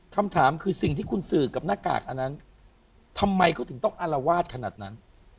คำถามคือสิ่งที่คุณสื่อกับหน้ากากอันนั้นทำไมเขาถึงต้องอารวาสขนาดนั้น